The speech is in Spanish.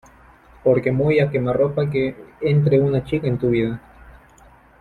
por muy a_quemarropa que entre una chica en tu vida